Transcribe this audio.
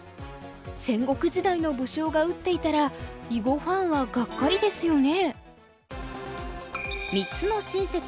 戦国時代の武将が打っていたら囲碁ファンはがっかりですよね。